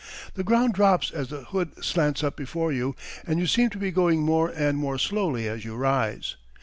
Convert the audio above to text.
The ground drops as the hood slants up before you and you seem to be going more and more slowly as you rise.